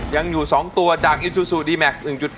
ยังอยู่สองตัวจากอิซูซูดีแมน